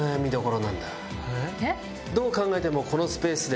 どう考えてもこのスペースで。